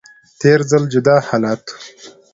تیر ځل جدا حالت و